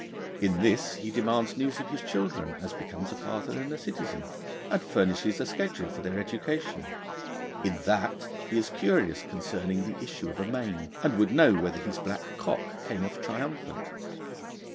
In this he demands news of his children, as becomes a father and a citizen, and furnishes a schedule of their education; in that he is curious concerning the issue of a main, and would know whether his black cock came off triumphant.